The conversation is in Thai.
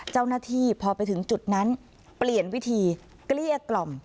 เจ้าหน้าที่พอไปถึงจุดนั้นเปลี่ยนวิธีเกลี้ยกล่อม